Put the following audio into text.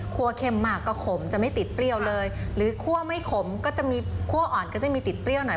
เค็มมากก็ขมจะไม่ติดเปรี้ยวเลยหรือคั่วไม่ขมก็จะมีคั่วอ่อนก็จะมีติดเปรี้ยวหน่อย